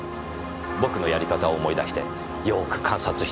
僕のやり方を思い出してよーく観察してください。